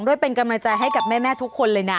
ด้วยเป็นกำลังใจให้กับแม่ทุกคนเลยนะ